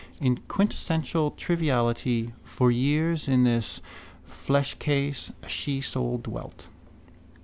In quintessential triviality For years in this fleshcase a shesoul dwelt.